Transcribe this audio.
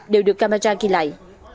đều được camera ghi lại